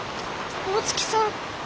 大月さん。